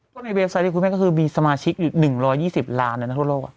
ก็ในเบฟไซต์ที่คุณแม่ก็คือมีสมาชิกอยู่หนึ่งร้อยยี่สิบล้านเนี่ยนะทั่วโลกอ่ะ